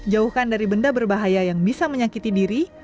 jauhkan dari benda berbahaya yang bisa menyakiti diri